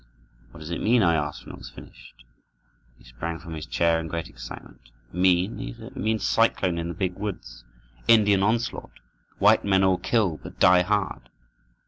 "What does it mean?" I asked when it was finished. He sprang from his chair in great excitement. "Mean?" he said; "it means cyclone in the big woods! Indian onslaught! White men all killed, but die hard!"